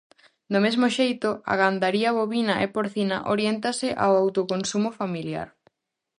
Do mesmo xeito a gandaría bovina e porcina oriéntase ao autoconsumo familiar.